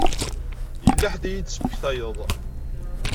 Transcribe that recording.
Yella ḥedd i yi-d-tesmektayeḍ.